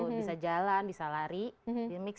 bisa jalan bisa lari di mix